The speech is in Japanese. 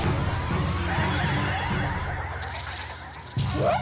えっ？